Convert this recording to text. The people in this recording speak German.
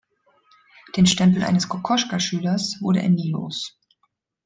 Den Stempel eines Kokoschka-Schülers wurde er nie los.